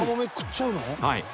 「はい。